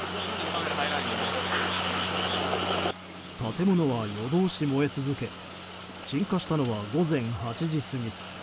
建物は夜通し燃え続け鎮火したのは午前８時過ぎ。